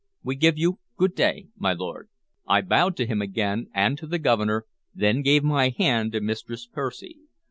We give you good day, my lord." I bowed to him again and to the Governor, then gave my hand to Mistress Percy.